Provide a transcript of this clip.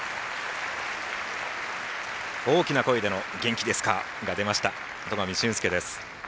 大きな声での「元気ですか？」が出ました戸上隼輔です。